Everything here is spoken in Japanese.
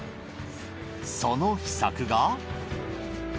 その秘策が。